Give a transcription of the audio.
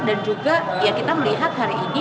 dan juga ya kita melihat hari ini